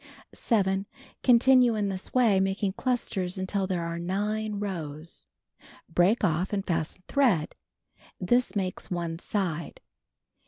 (See picture.) 7. Continue in this way, making clusters until there are 9 rows. Break off and fasten thread. This makes one side.